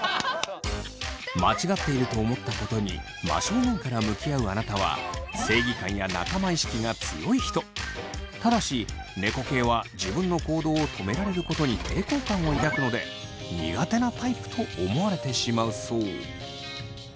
間違っていると思ったことに真正面から向き合うあなたはただし猫系は自分の行動を止められることに抵抗感を抱くので苦手なタイプと思われてしまうそう。